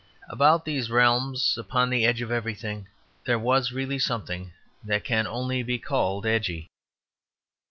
About these realms upon the edge of everything there was really something that can only be called edgy.